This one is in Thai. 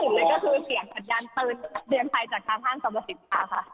ก็คือเสียงกัดยานเตินเดี๋ยวใครจากทางห้างสำหรับเหตุการณ์ค่ะ